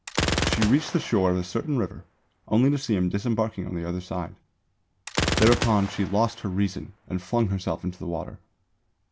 She reached the shore of a certain river, only to see him disembarking on the other side. Thereupon she lost her reason and flung herself into the water.